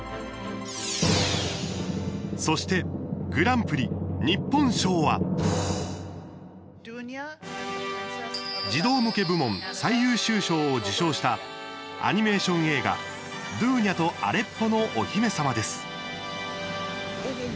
そして、グランプリ日本賞は児童向け部門最優秀賞を受賞したアニメーション映画「ドゥーニャとアレッポのお姫様」です。